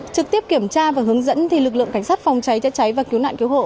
trực tiếp kiểm tra và hướng dẫn lực lượng cảnh sát phòng cháy chữa cháy và cứu nạn cứu hộ